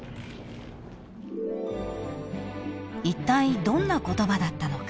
［いったいどんな言葉だったのか？］